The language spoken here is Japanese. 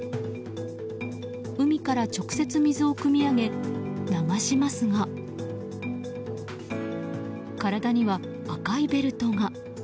海から直接水をくみ上げ流しますが体には赤いベルトが。